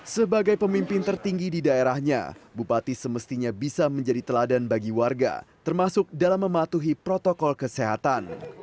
sebagai pemimpin tertinggi di daerahnya bupati semestinya bisa menjadi teladan bagi warga termasuk dalam mematuhi protokol kesehatan